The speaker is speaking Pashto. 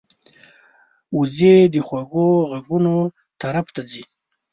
وزې د خوږو غږونو طرف ته ځي